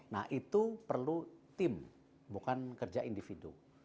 nah itu perlu tim bukan kerja individu